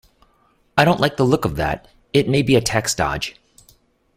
I don't like the look of that. It may be be a tax dodge.